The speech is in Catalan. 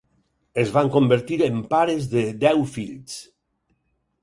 Es van convertir en pares de deu fills.